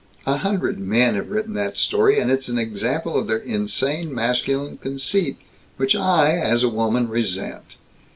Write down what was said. A hundred men have written that story, and it's an example of their insane masculine conceit, which I, as a woman, resent.